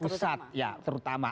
pusat ya terutama